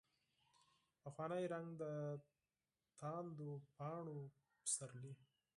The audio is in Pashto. پخوانی رنګ، دتاندو پاڼو پسرلي